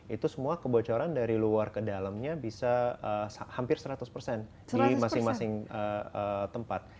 itu semua kebocoran dari luar ke dalamnya bisa hampir seratus persen di masing masing tempat